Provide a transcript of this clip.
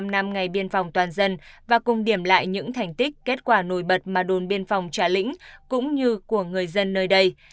bảy mươi năm năm ngày biên phòng toàn dân và cùng điểm lại những thành tích kết quả nổi bật mà đồn biên phòng trà lĩnh cũng như của người dân nơi đây